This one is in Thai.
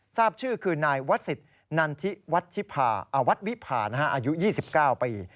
ทราบชื่อคือนายวัดศิษย์นันทิวัดวิภาอายุ๒๙ปี